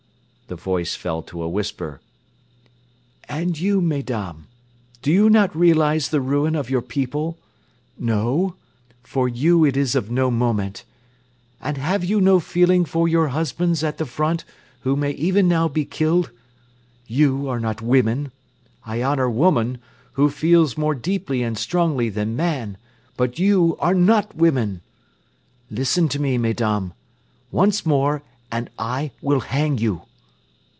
The voice fell to a whisper. "And you, Mesdames, do you not realize the ruin of your people? No? For you it is of no moment. And have you no feeling for your husbands at the front who may even now be killed? You are not women. ... I honor woman, who feels more deeply and strongly than man; but you are not women! ... Listen to me, Mesdames. Once more and I will hang you.